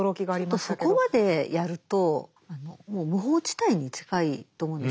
ちょっとそこまでやるともう無法地帯に近いと思うんですよ。